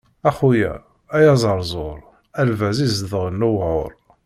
A xuya ay aẓerẓur, a lbaz izedɣen lewɛur.